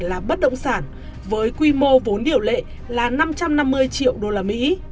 là bất động sản với quy mô vốn điều lệ là năm trăm năm mươi triệu đô la mỹ